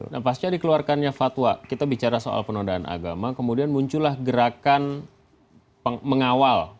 nah pasca dikeluarkannya fatwa kita bicara soal penodaan agama kemudian muncullah gerakan mengawal